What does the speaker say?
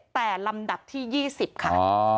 แต่ลำดับที่๒๐ค่ะ